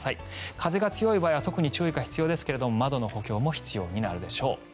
風が強い場合は特に注意が必要ですが窓の補強も必要になるでしょう。